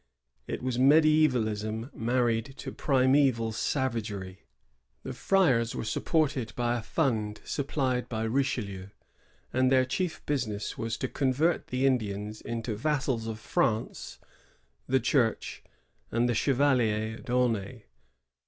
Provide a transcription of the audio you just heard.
It was mediflBvalism married to primeval savageiy^^ The friais were supported by a fund supplied by Richelieu, and their chief business was to convert the Indians into vassals of France, the Church, and the Chevalier d'Aunay.